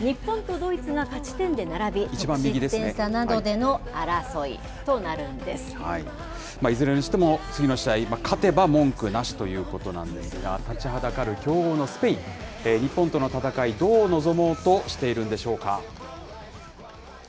日本とドイツが勝ち点で並び、得失点差などでの争いとなるんでいずれにしても次の試合勝てば文句なしということなんですが、立ちはだかる強豪のスペイン、日本との戦い、どう臨もうとしているんでしょうか。